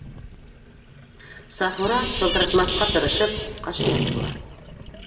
Сафура, шылтыратмаҫҡа тырышып, ҡашаяҡ йыуа.